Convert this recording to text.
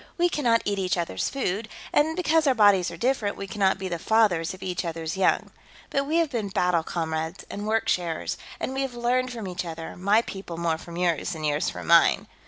"We cannot eat each others' food, and because our bodies are different, we cannot be the fathers of each others' young. But we have been battle comrades, and worksharers, and we have learned from each other, my people more from yours than yours from mine.